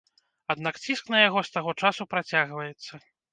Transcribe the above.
Аднак ціск на яго з таго часу працягваецца.